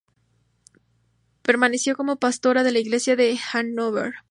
Permaneció como pastora de la iglesia de Hannover.